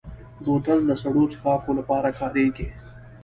بوتل د سړو څښاکو لپاره کارېږي.